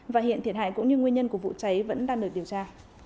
và hiện thiệt hại cũng như nguyên nhân của vụ cháy vẫn đang được điều tra